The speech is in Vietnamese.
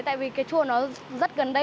tại vì cái chùa nó rất gần đây